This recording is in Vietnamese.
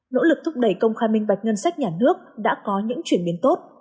nỗ lực thúc đẩy công khai minh bạch ngân sách nhà nước đã có những chuyển biến tốt